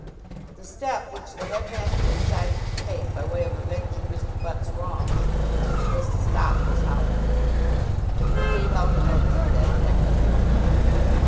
The step which the headmaster decided to take by way of avenging Mr. Butt's wrongs was to stop this holiday. He gave out a notice to that effect on the Monday.